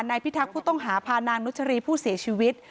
พิทักษ์ผู้ต้องหาพานางนุชรีผู้เสียชีวิต